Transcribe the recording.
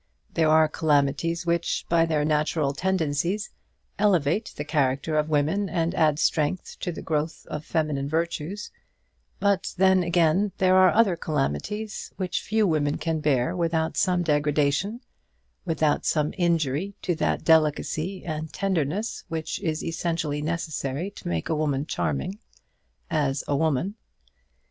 There are calamities which, by their natural tendencies, elevate the character of women and add strength to the growth of feminine virtues; but then, again, there are other calamities which few women can bear without some degradation, without some injury to that delicacy and tenderness which is essentially necessary to make a woman charming, as a woman.